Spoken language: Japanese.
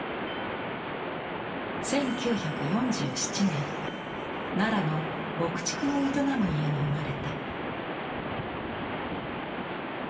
１９４７年奈良の牧畜を営む家に生まれた。